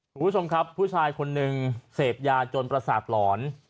คุณผู้ชมครับผู้ชายคนหนึ่งเสพยาจนประสาทหลอน